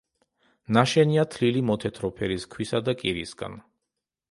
ნაშენია თლილი მოთეთრო ფერის ქვისა და კირისაგან.